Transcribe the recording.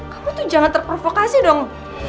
kamu tuh jangan terprovokasi dong